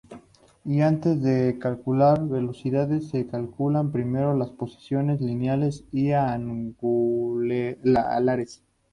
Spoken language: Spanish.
Y antes de calcular velocidades se calculan primero las posiciones lineales y angulares.